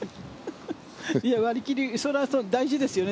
割り切るのは大事ですよね。